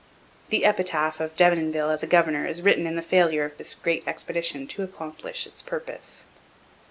The epitaph of Denonville as a governor is written in the failure of this great expedition to accomplish its purpose.